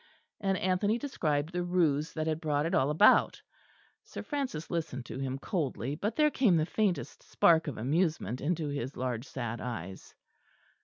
And Anthony described the ruse that had brought it all about. Sir Francis listened to him coldly; but there came the faintest spark of amusement into his large sad eyes.